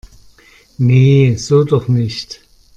Nee, so doch nicht!